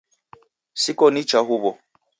Sikonicha huwo